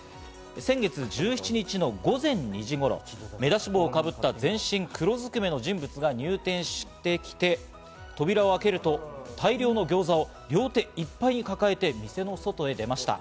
先月１７日の午前２時頃、目出し帽をかぶった全身黒ずくめの人物が入店してきて、扉を開けると、大量のギョーザを両手いっぱいに抱えて店の外へ出ました。